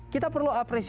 kita perlu apresiasi